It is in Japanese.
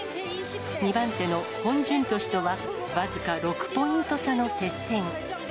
２番手のホン・ジュンピョ氏とは僅か６ポイント差の接戦。